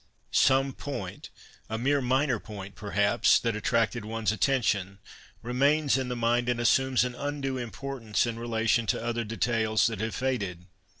Some point, a mere minor point, perhaps, that attracted one's attention, remains in the mind and assumes an undue importance in relation to other details that have faded.